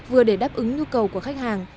vừa để đáp ứng nhu cầu của khách hàng